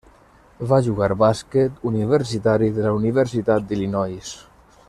Va jugar bàsquet universitari de la Universitat d'Illinois.